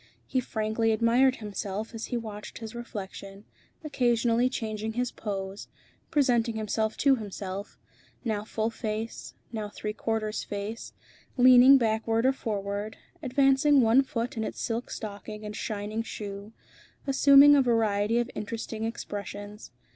He frankly admired himself as he watched his reflection, occasionally changing his pose, presenting himself to himself, now full face, now three quarters face, leaning backward or forward, advancing one foot in its silk stocking and shining shoe, assuming a variety of interesting expressions.